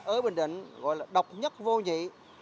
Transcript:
ở bình định gọi là độc nhất vô nhị